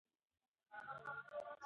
دغه کیسه دلته پای ته رسېږي او مننه کوم.